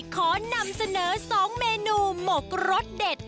ขอนำเสนอ๒เมนูหมกรสเด็ด